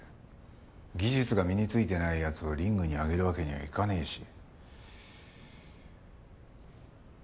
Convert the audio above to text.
技術が身についてない奴をリングに上げるわけにはいかねえし。